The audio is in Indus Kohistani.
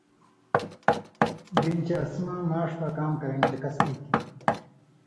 گِنہۡ چے اسی مہ ماݜ لا کام کرئیں چکس ای تھی۔